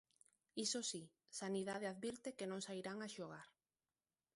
Iso si, Sanidade advirte que non sairán a xogar.